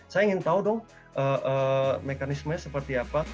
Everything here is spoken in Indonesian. saya ingin tahu dong mekanismenya seperti apa